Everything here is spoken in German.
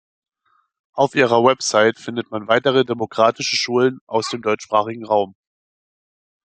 Auf ihrer Website findet man weitere demokratische Schulen aus dem deutschsprachigen Raum.